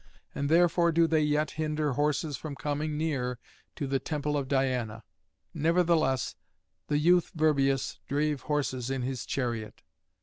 And therefore do they yet hinder horses from coming near to the temple of Diana. Nevertheless the youth Virbius drave horses in his chariot.